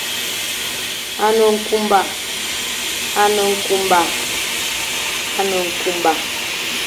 A ne nkunba.